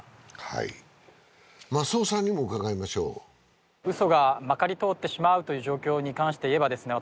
はい増尾さんにも伺いましょう嘘がまかりとおってしまうという状況に関していえばですね